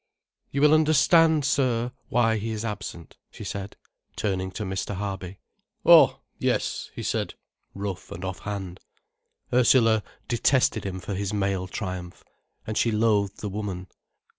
"You will understand, sir, why he is absent," she said, turning to Mr. Harby. "Oh, yes," he said, rough and off hand. Ursula detested him for his male triumph. And she loathed the woman.